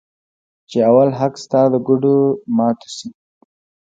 چې اول حق ستا د ګوډو ماتو شي.